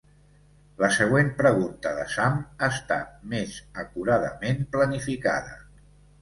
La següent pregunta de Sam està més acuradament planificada.